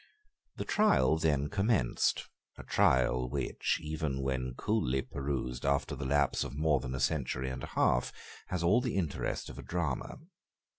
The trial then commenced, a trial which, even when coolly perused after the lapse of more than a century and a half, has all the interest of a drama.